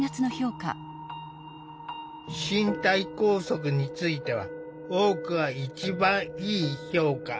身体拘束については多くが一番いい評価。